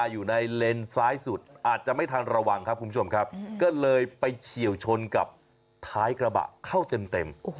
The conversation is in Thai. อยู่ในเลนซ้ายสุดอาจจะไม่ทันระวังครับคุณผู้ชมครับก็เลยไปเฉียวชนกับท้ายกระบะเข้าเต็ม